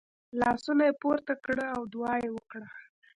لاسونه یې پورته کړه او دعا یې وکړه .